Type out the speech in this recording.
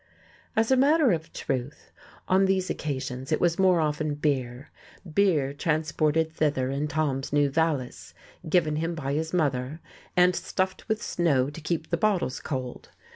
As a matter of truth, on these occasions it was more often beer; beer transported thither in Tom's new valise, given him by his mother, and stuffed with snow to keep the bottles cold.